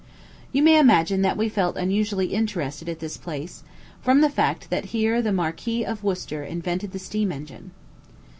You may imagine that we felt unusually interested at this place, from the fact that here the Marquis of Worcester invented the steam engine.